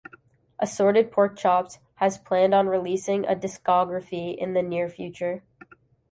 Assorted Porkchops has planned on releasing a discography in the near future.